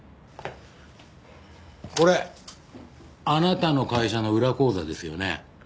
これあなたの会社の裏口座ですよね？